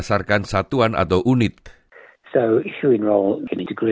jadi satu tahun untuk menilai mungkin berharga rp tiga